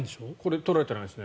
取られてないですね。